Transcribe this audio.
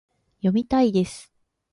読みたいです